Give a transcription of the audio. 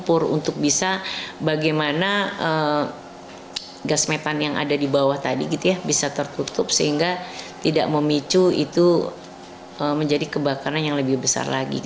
untuk bisa bagaimana gas metan yang ada di bawah tadi gitu ya bisa tertutup sehingga tidak memicu itu menjadi kebakaran yang lebih besar lagi